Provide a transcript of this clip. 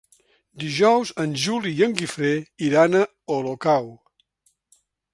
Dijous en Juli i en Guifré iran a Olocau.